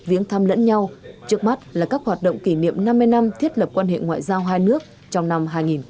viếng thăm lẫn nhau trước mắt là các hoạt động kỷ niệm năm mươi năm thiết lập quan hệ ngoại giao hai nước trong năm hai nghìn hai mươi